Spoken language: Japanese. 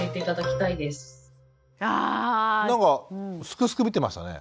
なんか「すくすく」見てましたね。